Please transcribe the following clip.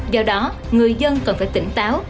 do đó người dân cần phải tỉnh táo